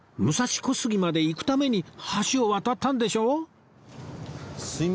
武蔵小杉まで行くために橋を渡ったんでしょ！